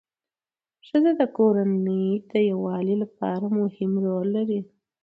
ښځه د کورنۍ د یووالي لپاره مهم رول لري